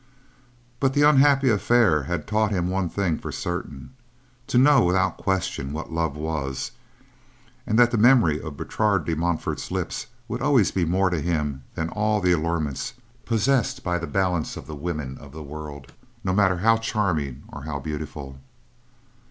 But the unhappy affair had taught him one thing for certain: to know without question what love was, and that the memory of Bertrade de Montfort's lips would always be more to him than all the allurements possessed by the balance of the women of the world, no matter how charming, or how beautiful.